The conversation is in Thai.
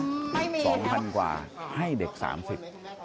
คือมีสองพันกว่าให้เด็กสามสี่